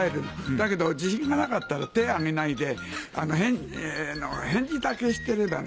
だけど自信がなかったら手挙げないで返事だけしてればね。